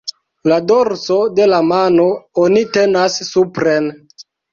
La dorso de la mano oni tenas supren.